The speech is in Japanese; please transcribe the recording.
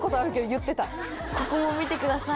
ここも見てください